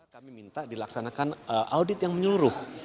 kami minta dilaksanakan audit yang menyeluruh